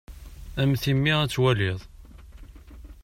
A mm timmi ad twaliḍ.